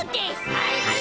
はいはい！